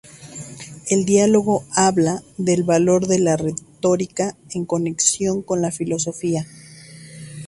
El diálogo habla del valor de la retórica en conexión con la filosofía.